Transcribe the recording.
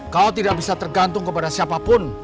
kau tidak bisa tergantung kepada siapapun